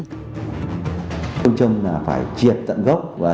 trong đó lực lượng công an đã bắt liên tiếp hàng chục vụ